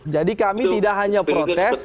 jadi kami tidak hanya protes